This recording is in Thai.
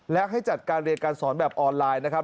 และให้จัดการเรียนการสอนแบบออนไลน์นะครับ